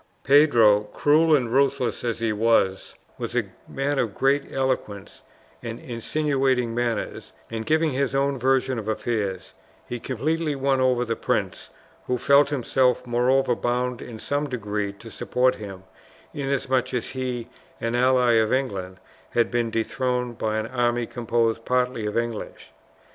Pedro, cruel and ruthless as he was, was a man of great eloquence and insinuating manners, and giving his own version of affairs, he completely won over the prince, who felt himself, moreover, bound in some degree to support him, inasmuch as he, an ally of England, had been dethroned by an army composed partly of English.